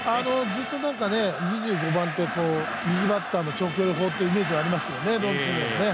ずっと、２５番って、右バッターの長距離砲ってイメージありますよね。